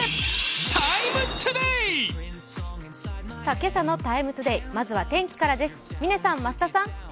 今朝の「ＴＩＭＥ，ＴＯＤＡＹ」、まずは天気からです。